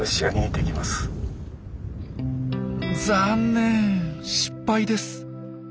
残念失敗です。